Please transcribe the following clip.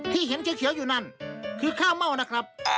ที่เห็นเขียวอยู่นั่นคือข้าวเม่านะครับ